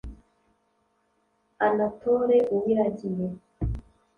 Anatole Uwiragiye